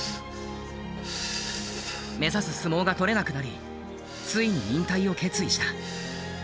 目指す相撲が取れなくなりついに引退を決意した。